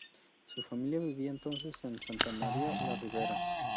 Su familia vivía entonces en Santa María la Ribera.